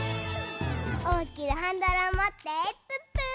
おおきなハンドルをもってプップー！